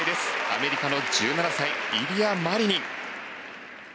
アメリカの１７歳イリア・マリニン。